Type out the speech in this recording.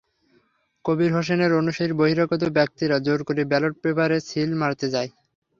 কবির হোসেনের অনুসারী বহিরাগত ব্যক্তিরা জোর করে ব্যালট পেপারে সিল মারতে যায়।